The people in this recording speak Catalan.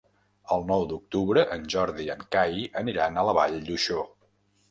El nou d'octubre en Jordi i en Cai aniran a la Vall d'Uixó.